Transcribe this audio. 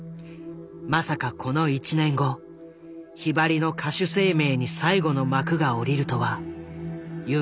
まさかこの１年後ひばりの歌手生命に最後の幕が下りるとは夢にも思わず。